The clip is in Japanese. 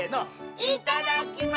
いただきます！